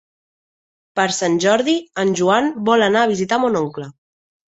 Per Sant Jordi en Joan vol anar a visitar mon oncle.